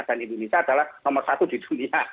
indonesia adalah nomor satu di dunia